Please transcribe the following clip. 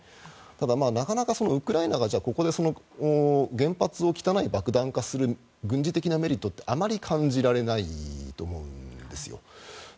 ただ、なかなかウクライナがじゃあここで原発を汚い爆弾化する軍事的なメリットってあまり感じられないと思うんですよ。